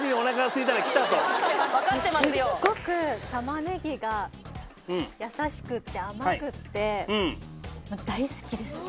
すっごく玉ねぎがやさしくって甘くって大好きです。